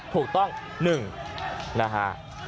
ถูกต้อง๑นะฮะ